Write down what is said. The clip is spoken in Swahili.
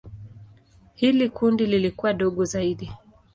Hili kundi lilikuwa dogo zaidi.